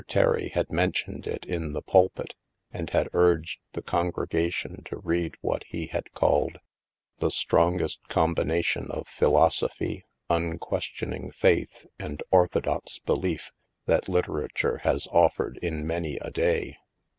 Terry had mentioned it in the pulpit and had urged his congregation to read what he had called, " the strongest combination of philosophy, un questioning faith, and orthodox belief, that litera ture has offered in many a day."